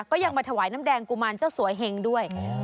ก็ยังมาถวายน้ำแดงกุมารเจ้าสวยเห็งด้วย